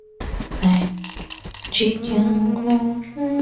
位于吉安市东北部。